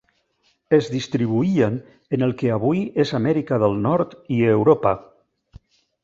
Es distribuïen en el que avui és Amèrica del Nord i Europa.